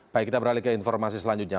baik kita beralih ke informasi selanjutnya